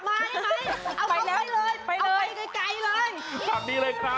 ไว้แล้วแล้วค่ะ